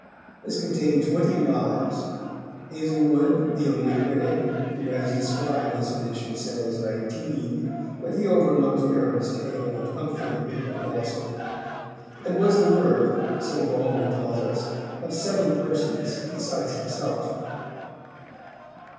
This contained twenty lives Haslewood, the only critic who has described this edition, says nineteen, but he overlooked Ferrers' tale of "Humphrey, Duke of Gloucester" and was the work, so Baldwin tells us, of seven persons besides himself.